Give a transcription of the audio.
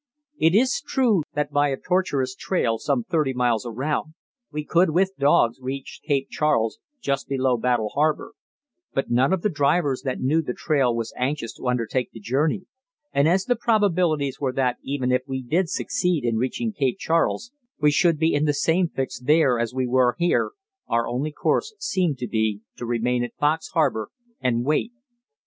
It is true that by a tortuous trail some thirty miles around we could with dogs reach Cape Charles, just below Battle Harbour; but none of the few drivers that knew the trail was anxious to undertake the journey, and as the probabilities were that even if we did succeed in reaching Cape Charles we should be in the same fix there as where we were, our only course seemed to be to remain at Fox Harbour and wait.